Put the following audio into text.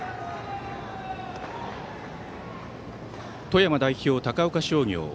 富山代表、高岡商業。